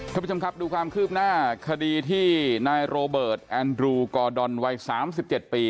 คุณผู้ชมครับดูความคืบหน้าคดีที่นายโรเบิร์ตแอนดรูกอดอนวัยสามสิบเจ็ดปี